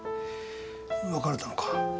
別れたのか。